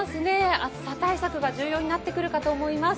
暑さ対策が重要になってくるかと思います。